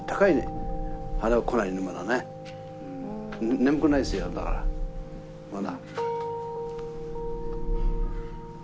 眠くないですよだからまだ。